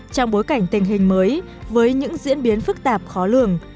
trong bối cảnh tình hình mới với những diễn biến phức tạp khó lường